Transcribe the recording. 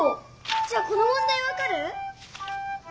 じゃあこの問題分かる？